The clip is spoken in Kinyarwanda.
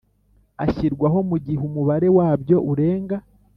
ashyirwaho mugihe Umubare wabyo urenga